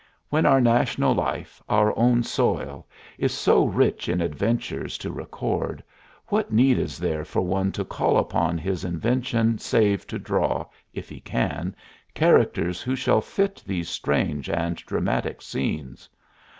When our national life, our own soil, is so rich in adventures to record, what need is there for one to call upon his invention save to draw, if he can, characters who shall fit these strange and dramatic scenes?